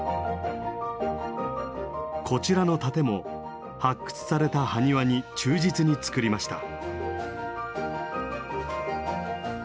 こちらの盾も発掘された埴輪に忠実に作りました。